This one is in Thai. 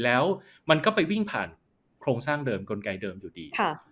แล้วมันก็ไปวิ่งผ่านโครงสร้างเดิมกลไกเดิมอยู่ดี